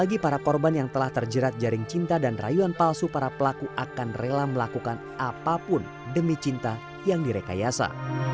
namun setelah terjatuhkan apalagi pada saat jaring cinta dan rayuan palsu para pelaku akan rela melakukan apapun demi cinta yang direkayasa